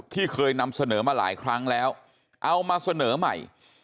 ที่เคยนำเสนอมาหลายครั้งแล้วเอามาเสนอใหม่